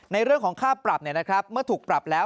ในเรื่องของค่าปรับเนี่ยนะครับเมื่อถูกปรับแล้ว